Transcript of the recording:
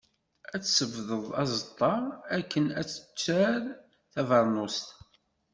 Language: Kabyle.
Ad tessebded aẓeṭṭa, akken ad tter tabernust.